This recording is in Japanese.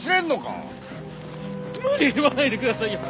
無理言わないでくださいよ！